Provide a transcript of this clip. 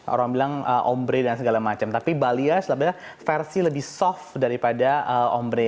orang bilang ombre dan segala macam tapi balia sebenarnya versi lebih soft daripada ombre